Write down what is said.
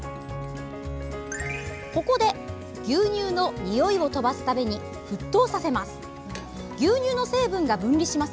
ここで牛乳のにおいをとばすために沸騰させます。